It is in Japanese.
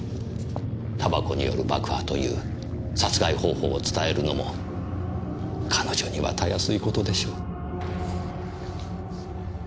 煙草による爆破という殺害方法を伝えるのも彼女にはたやすいことでしょう。